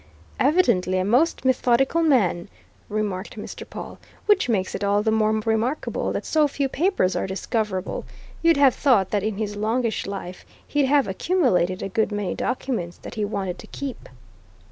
"Evidently a most methodical man!" remarked Mr. Pawle. "Which makes it all the more remarkable that so few papers are discoverable. You'd have thought that in his longish life he'd have accumulated a good many documents that he wanted to keep."